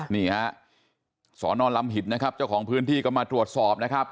นี่ฮะสอนอนลำหิตนะครับเจ้าของพื้นที่ก็มาตรวจสอบนะครับ